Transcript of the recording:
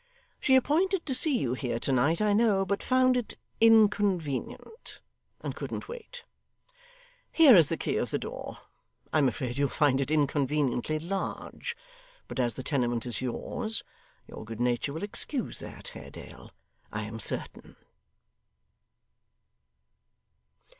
She appointed to see you here to night, I know, but found it inconvenient, and couldn't wait. Here is the key of the door. I am afraid you'll find it inconveniently large; but as the tenement is yours, your good nature will excuse that, Haredale, I am certain!